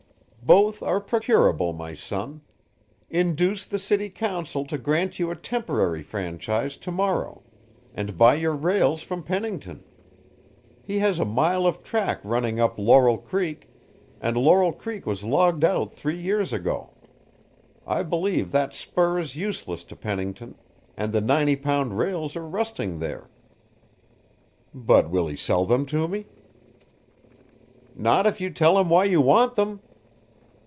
"Both are procurable, my son. Induce the city council to grant you a temporary franchise to morrow, and buy your rails from Pennington. He has a mile of track running up Laurel Creek, and Laurel Creek was logged out three years ago. I believe that spur is useless to Pennington, and the ninety pound rails are rusting there." "But will he sell them to me?" "Not if you tell him why you want them."